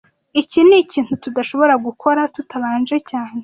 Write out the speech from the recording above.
Iki nikintu tudashobora gukora tutabanje cyane